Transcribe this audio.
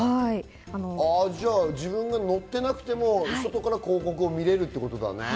自分が乗っていなくても外から広告を見られるということだね。